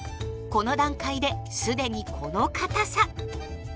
この段階で既にこのかたさ。